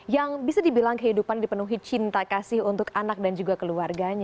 yang bisa dibilang kehidupan dipenuhi cinta kasih untuk anak dan juga keluarganya